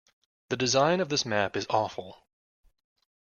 The design of this map is awful.